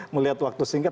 melihat waktu singkat